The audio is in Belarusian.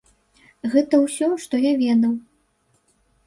Гэта ўсе, што я ведаў.